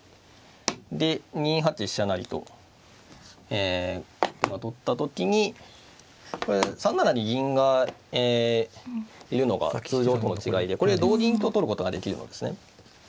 で２八飛車成と取った時にこれ３七に銀がいるのが通常との違いでこれ同銀と取ることができるのですね。